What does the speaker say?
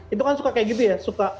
itu kan suka kayak gitu ya suka